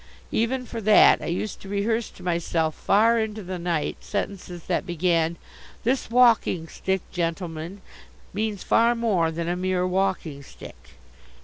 Even for that I used to rehearse to myself far into the night sentences that began: "This walking stick, gentleman, means far more than a mere walking stick."